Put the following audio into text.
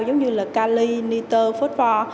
giống như là cali nitro phosphor